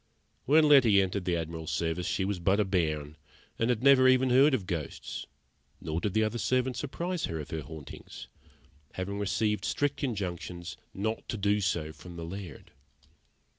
When Letty entered the Admiral's service she was but a bairn, and had never even heard of ghosts; nor did the other servants apprise her of the hauntings, having received strict injunctions not to do so from the Laird.